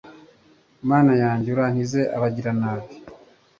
Mana yanjye urankize abagiranabi